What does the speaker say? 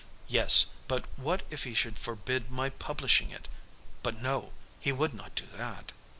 Yes, but what if he should forbid my publishing it? But no, he would not do that.